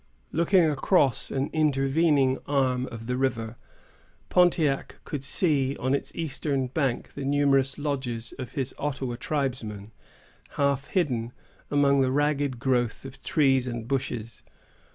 Looking across an intervening arm of the river, Pontiac could see on its eastern bank the numerous lodges of his Ottawa tribesmen, half hidden among the ragged growth of trees and bushes.